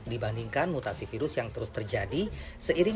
dibandingkan mutasi virus yang terus terjadi seiring tingginya penularan